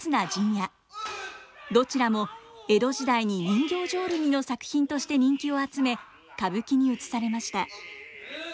どちらも江戸時代に人形浄瑠璃の作品として人気を集め歌舞伎にうつされました。